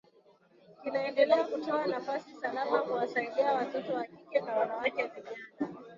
kinaendelea kutoa nafasi salama kuwasaidia watoto wa kike na wanawake vijana